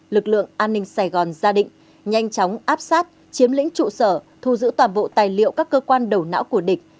lực lượng an ninh sài gòn ra định nhanh chóng áp sát chiếm lĩnh trụ sở thu giữ toàn bộ tài liệu các cơ quan đầu não của địch